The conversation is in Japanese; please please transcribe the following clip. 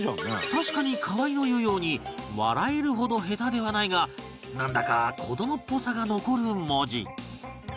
確かに河合の言うように笑えるほど下手ではないがなんだか子どもっぽさが残る文字